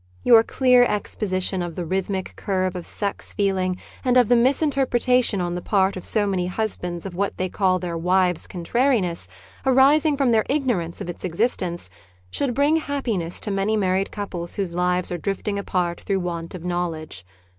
Your clear exposition of the rhythmic curve of sex feeling and of the misinterpretation on the part of so many hus bands of what they call their wives' contrariness, arising from their ignorance of its existence, should bring happiness to many married couples whose lives are drifting apart through want of knowledge.